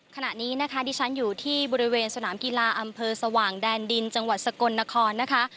ขณะนี้นะคะดิฉันอยู่ที่บริเวณสนามกีฬาอำเภอสว่างแดนดินจังหวัดสกลนครนะคะ